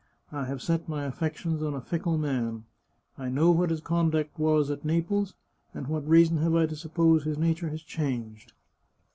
I have set my affections on a fickle man. I know what his conduct was at Naples, and what reason have I to suppose his nature has changed?